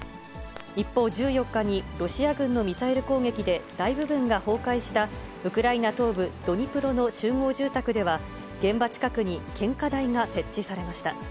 一方、１４日にロシア軍のミサイル攻撃で大部分が崩壊したウクライナ東部ドニプロの集合住宅では、現場近くに献花台が設置されました。